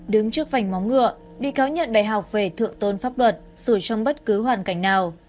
đứng trước vành móng ngựa bị cáo nhận đại học về thượng tôn pháp luật dù trong bất cứ hoàn cảnh nào